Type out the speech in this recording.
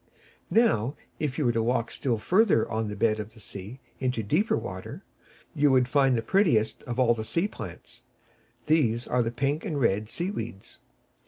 Now, if you were to walk still farther on the bed of the sea, into deeper water, you would find the prettiest of all the sea plants. These are the pink and red sea weeds.